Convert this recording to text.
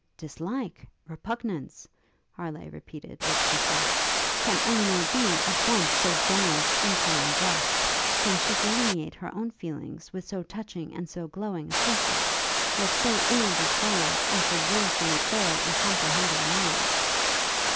'Dislike? repugnance?' Harleigh repeated, with quickness, 'can Elinor be, at once, so generous and so unjust? Can she delineate her own feelings with so touching and so glowing a pencil, yet so ill describe, or so wilfully fail in comprehending mine?'